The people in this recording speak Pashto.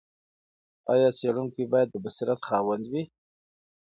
ایا څېړونکی باید د بصیرت خاوند وي؟